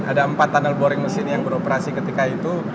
ada empat tunnel boring mesin yang beroperasi ketika itu